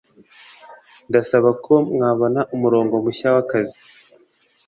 Ndasaba ko mwabona umurongo mushya wakazi.